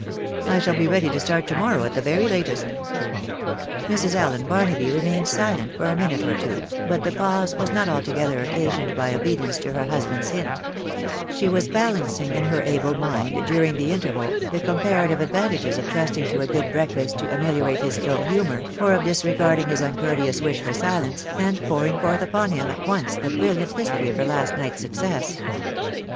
I shall be ready to start to morrow at the very latest." Mrs. Allen Barnaby remained silent for a minute or two, but the pause was not altogether occasioned by obedience to her husband's hint ; she was balancing in her able mind, during the inter val, the comparative advantages of trusting to a good breakfast to ameliorate his ill humour, or of disregarding his uncourteous wish for silence, and pouring forth upon him at once the brilliant history of her last night's success.